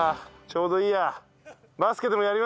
ちょうどいいや。